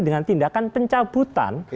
dengan tindakan pencabutan